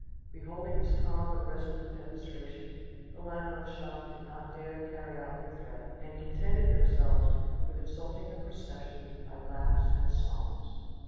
Beholding this calm but resolute demonstration, the Landmannschaft did not dare to carry out their threat, and contented themselves with insulting the procession by laughs and songs.